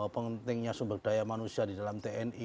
pentingnya sumber daya manusia di dalam tni